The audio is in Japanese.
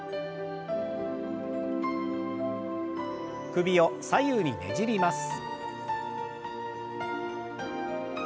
首を左右にねじります。